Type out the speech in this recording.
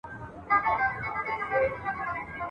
وروسته وار سو د غوايي د ښکر وهلو ..